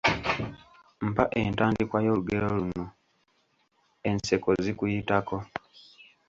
Mpa entandikwa y’olugero luno: …..…,enseko zikiyitako.